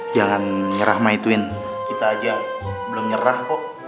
jangan nyerah mi twin kita aja belum nyerah kok